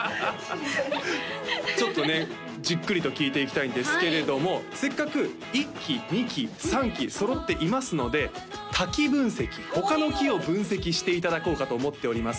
ちょっとねじっくりと聞いていきたいんですけれどもせっかく１期２期３期揃っていますので他期分析他の期を分析していただこうかと思っております